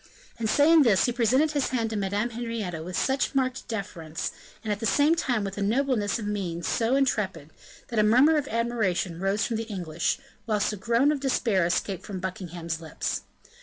And saying this, he presented his hand to Madame Henrietta with such marked deference, and at the same time with a nobleness of mien so intrepid, that a murmur of admiration rose from the English, whilst a groan of despair escaped from Buckingham's lips.